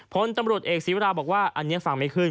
พลตำรวจเอกศีวราบอกว่าอันนี้ฟังไม่ขึ้น